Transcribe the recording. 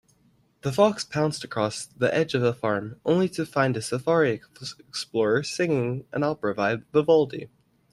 The fox pounced across the edge of the farm, only to find a safari explorer singing an opera by Vivaldi.